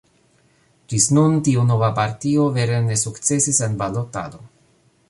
Ĝis nun tiu nova partio vere ne sukcesis en balotado.